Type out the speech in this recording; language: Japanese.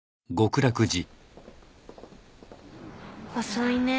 遅いね。